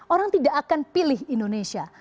orang tidak akan pilih indonesia